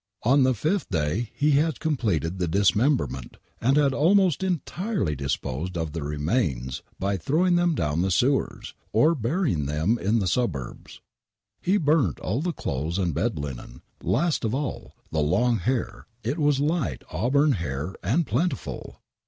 On the fifth day he had completed the dismemberment, and had almost entirely disposed of the remains by throwing them down the sewers, or burying them in the suburbs. He burnt all the clothes and bed linen, last of all " the long hair "— it was light auburn hair and plentiful.